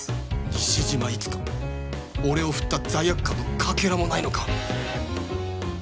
西島いつか俺を振った罪悪感のかけらもないのか？